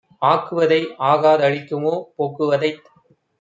ஆக்குவதை ஆகா தழிக்குமோ? போக்குவதைத்